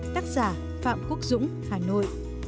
tác giả phạm quốc dũng hà nội